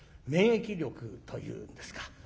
免疫力というんですか。